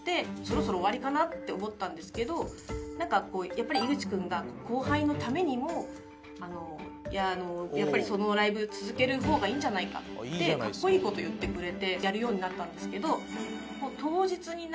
なんかこうやっぱり井口君が後輩のためにもやっぱりそのライブ続ける方がいいんじゃないかってかっこいい事言ってくれてやるようになったんですけど。